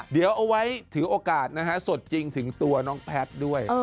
เดี๋ยวเอาไว้ถือโอกาสนะฮะสดจริงถึงตัวน้องแพทย์ด้วย